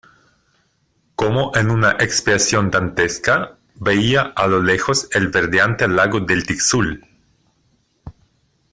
como en una expiación dantesca, veía a lo lejos el verdeante lago del Tixul ,